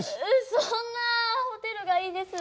そんなホテルがいいです。